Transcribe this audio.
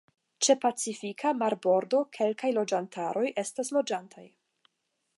Ĉe Pacifika marbordo kelkaj loĝantaroj estas loĝantaj.